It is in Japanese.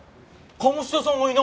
鴨志田さんがいない。